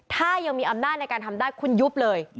ถ้ายังมีอำนาจในการทำได้คุณยุบเลย